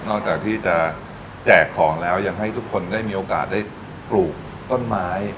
จากที่จะแจกของแล้วยังให้ทุกคนได้มีโอกาสได้ปลูกต้นไม้